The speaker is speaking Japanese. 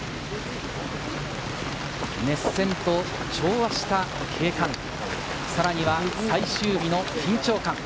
熱戦と調和した景観、さらには最終日の緊張感。